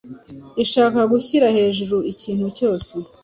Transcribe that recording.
Ishaka gushyira hejuru ikintu cyose :